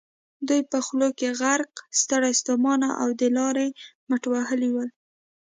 دوی په خولو کې غرق، ستړي ستومانه او د لارې مټ وهلي ول.